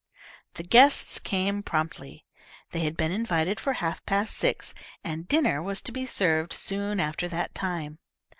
The guests came promptly. They had been invited for half past six, and dinner was to be served soon after that time.